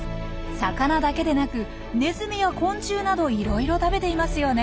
魚だけでなくネズミや昆虫などいろいろ食べていますよね。